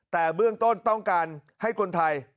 แต่เบื้องต้นต้องการให้คนไทย